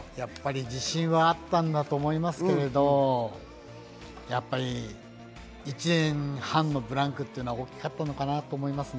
自信はあったんだと思いますけれど、やっぱり１年半のブランクというのは大きかったのかなと思いますね。